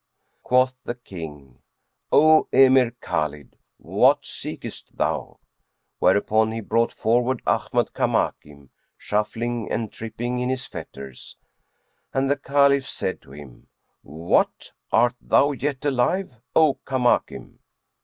Quoth the King, "O Emir Khбlid, what seekest thou?"; whereupon he brought forward Ahmad Kamakim, shuffling and tripping in his fetters, and the Caliph said to him, "What! art thou yet alive, O Kamakim?"